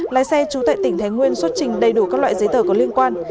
lái xe trú tại tỉnh thái nguyên xuất trình đầy đủ các loại giấy tờ có liên quan